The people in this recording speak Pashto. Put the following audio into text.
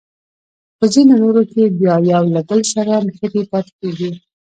په ځینو نورو کې بیا یو له بل سره نښتې پاتې کیږي.